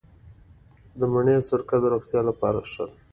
د مڼې سرکه د روغتیا لپاره ښه ده.